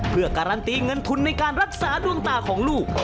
เพื่อการันตีเงินทุนในการรักษาดวงตาของลูก